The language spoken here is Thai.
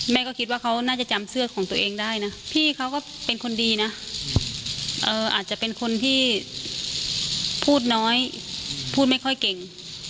ก็คิดว่าเขาน่าจะจำเสื้อของตัวเองได้นะพี่เขาก็เป็นคนดีนะอาจจะเป็นคนที่พูดน้อยพูดไม่ค่อยเก่ง